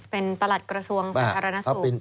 เป็นประหลัดกระทรวงสัญภารณสุทธิ์